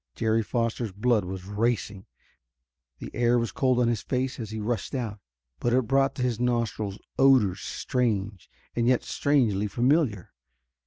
Jerry Foster's blood was racing; the air was cold on his face as he rushed out. But it brought to his nostrils odors strange and yet strangely familiar.